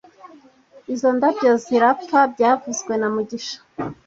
Izo ndabyo zirapfa byavuzwe na mugisha